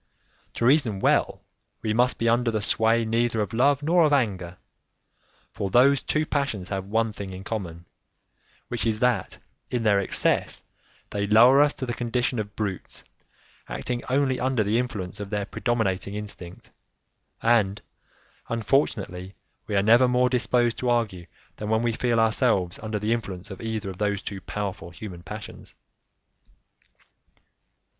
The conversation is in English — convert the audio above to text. To reason well, we must be under the sway neither of love nor of anger, for those two passions have one thing in common which is that, in their excess, they lower us to the condition of brutes acting only under the influence of their predominating instinct, and, unfortunately, we are never more disposed to argue than when we feel ourselves under the influence of either of those two powerful human passions.